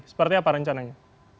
seperti apa rencananya